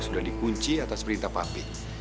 sudah dikunci atas perintah papi